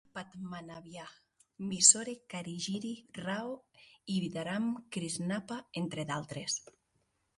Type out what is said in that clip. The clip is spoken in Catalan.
Veena Padmanabiah, Mysore Karigiri Rao i Bidaram Krishnappa, entre altres.